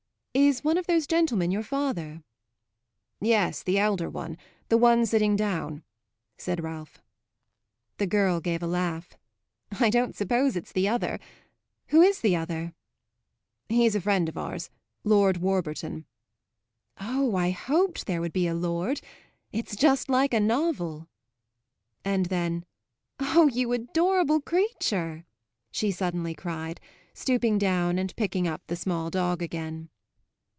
Is one of those gentlemen your father?" "Yes, the elder one the one sitting down," said Ralph. The girl gave a laugh. "I don't suppose it's the other. Who's the other?" "He's a friend of ours Lord Warburton." "Oh, I hoped there would be a lord; it's just like a novel!" And then, "Oh you adorable creature!" she suddenly cried, stooping down and picking up the small dog again.